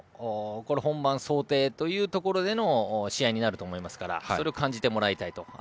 これは本番想定というところでの試合になると思いますからそれを感じてもらいたいですね。